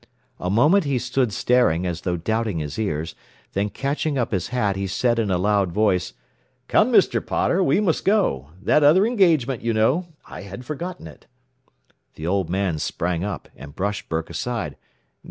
A moment he stood staring, as though doubting his ears, then catching up his hat he said in a loud voice, "Come, Mr. Potter, we must go. That other engagement, you know I had forgotten it." The old man sprang up, and brushed Burke aside.